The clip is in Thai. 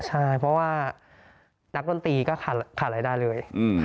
ใช่เพราะว่านักดนตรีก็ขาดรายได้เลย